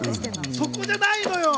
そこじゃないのよ。